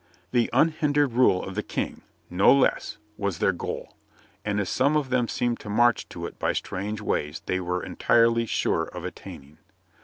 The unhindered rule of the King, no less, was their goal, and if some of them seemed to march to it by strange ways they were entirely sure of attaining.